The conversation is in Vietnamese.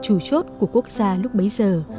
trù chốt của quốc gia lúc bấy giờ